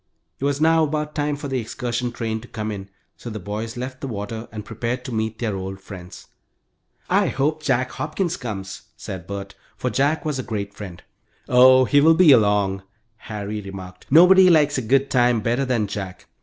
It was now about time for the excursion train to come in, so the boys left the water and prepared to meet their old friends. "I hope Jack Hopkins comes," said Bert, for Jack was a great friend. "Oh, he will be along," Harry remarked. "Nobody likes a good time better than Jack."